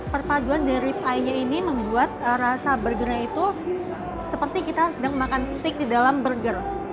perpaduan dari rip eye nya ini membuat rasa burgernya itu seperti kita sedang makan steak di dalam burger